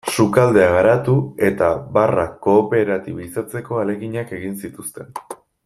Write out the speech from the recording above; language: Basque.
Sukaldea garatu eta barra kooperatibizatzeko ahaleginak egin zituzten.